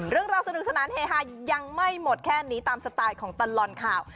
เรื่องราวสนุกสนานเฮฮายังไม่หมดแค่นี้ตามสไตล์ของตลอดข่าว